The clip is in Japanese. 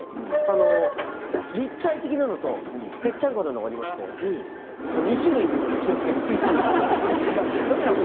立体的なのとぺっちゃんこのものがありまして２種類あるので気をつけてください。